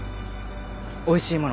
おいしいもの